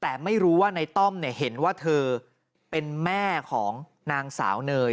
แต่ไม่รู้ว่าในต้อมเห็นว่าเธอเป็นแม่ของนางสาวเนย